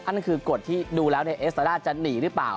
นั่นคือกฎที่ดูแล้วเอสตาด้าจะหนีหรือเปล่า